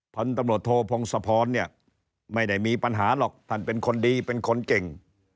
พันธบทพงศพรไม่ได้มีปัญหาหรอกท่านเป็นคนดีเป็นคนเก่ง